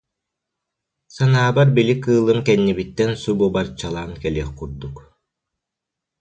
Санаабар били кыылым кэннибиттэн субу барчалаан кэлиэх курдук